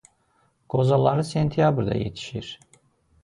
Qozaları sentyabrda yetişir.